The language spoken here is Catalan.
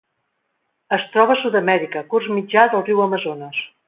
Es troba a Sud-amèrica: curs mitjà del riu Amazones.